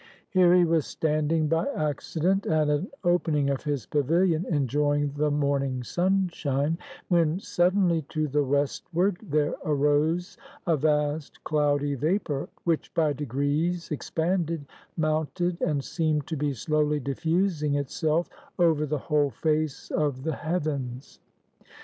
Here he was standing by accident, at an opening of his pavilion, enjoying the morning sunshine, when suddenly to the westward there arose a vast, cloudy vapor, which by degrees expanded, mounted, and seemed to be slowly diffusing itself over the whole face of the heav ens.